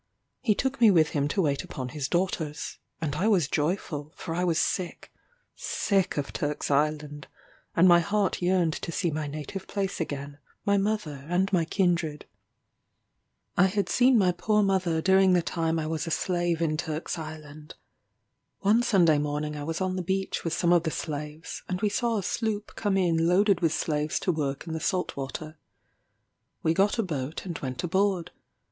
He took me with him to wait upon his daughters; and I was joyful, for I was sick, sick of Turk's Island, and my heart yearned to see my native place again, my mother, and my kindred. I had seen my poor mother during the time I was a slave in Turk's Island. One Sunday morning I was on the beach with some of the slaves, and we saw a sloop come in loaded with slaves to work in the salt water. We got a boat and went aboard.